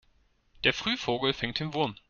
Der frühe Vogel fängt den Wurm.